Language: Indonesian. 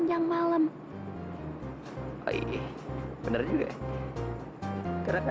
yang lebih mahluk kan